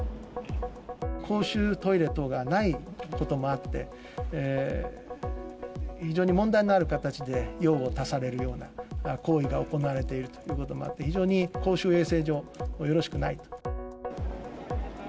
公衆トイレ等がないこともあって、非常に問題のある形で、用を足されるような行為が行われているということもあって、非常に公衆衛生上、よろしくないと。